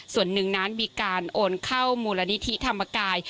ส่วนหนึ่งนั้นมีการโอนเข้ามูลนิธิธรรมกาย